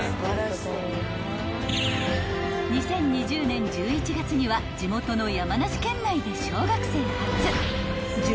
［２０２０年１１月には地元の山梨県内で小学生初］